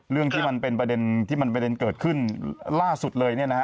เรื่องที่มันเป็นประเด็นที่มันประเด็นเกิดขึ้นล่าสุดเลยเนี่ยนะฮะ